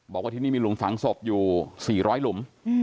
บอกว่าที่นี่มีหลุมฝังศพอยู่๔๐๐หลุม